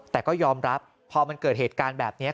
แต่ก็ยอมรับพอมันเกิดเหตุการณ์แบบนี้